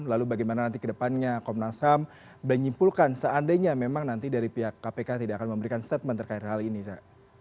lalu bagaimana nanti kedepannya komnas ham menyimpulkan seandainya memang nanti dari pihak kpk tidak akan memberikan statement terkait hal ini za